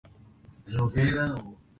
Candidata al Premio Oscar.